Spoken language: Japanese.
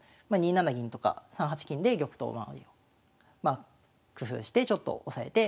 ２七銀とか３八金で玉頭をまあねまあ工夫してちょっと押さえて。